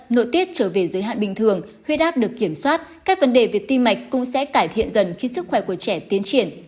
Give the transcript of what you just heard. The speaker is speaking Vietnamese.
nội tiết trở về giới hạn bình thường huyết áp được kiểm soát các vấn đề về tim mạch cũng sẽ cải thiện dần khi sức khỏe của trẻ tiến triển